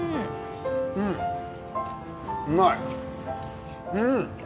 うん、うまい！